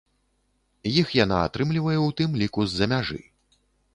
Іх яна атрымлівае ў тым ліку з-за мяжы.